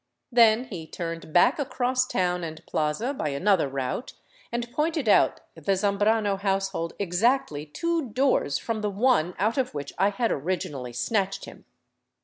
Then he turned back across town and plaza by another route, and pointed out the Zambrano household exactly two doors from the one out of which I had originally snatched him.